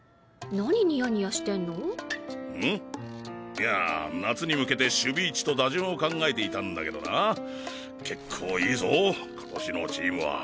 いやぁ夏に向けて守備位置と打順を考えていたんだけどな結構いいぞ今年のチームは。